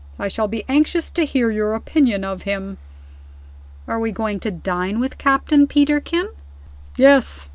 I shall be anxious to hear your opinion of him." "Are we going to dine with Captain Peterkin?" "Yes.